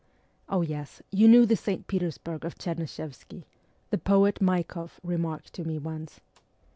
Oh yes, you knew the St. Petersburg of Chernyshevsky,' the poet Maikoff remarked to me once.